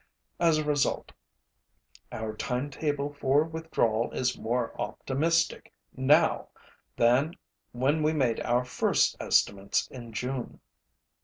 As a result, our timetable for withdrawal is more optimistic now than when we made our first estimates in June.